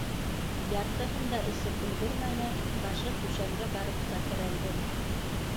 Яртыһын да эсеп өлгөрмәне, башы түшәмгә барып та терәлде.